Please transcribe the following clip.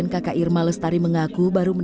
nggak aktif sama sekali sampai sekarang